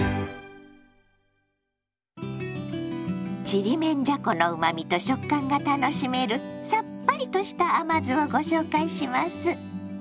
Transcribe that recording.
ちりめんじゃこのうまみと食感が楽しめるさっぱりとした甘酢をご紹介します。